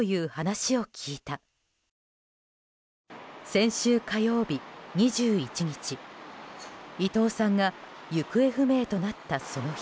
先週火曜日２１日、伊藤さんが行方不明となったその日。